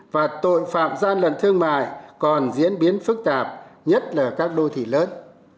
và tội phạm gian lận thương mại còn diễn biến phức tạp nhất là các đô thị lớn